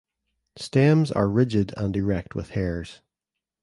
Stems are rigid and erect with hairs.